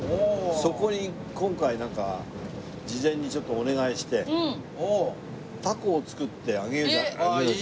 そこに今回事前にちょっとお願いして凧を作って揚げようじゃないかと。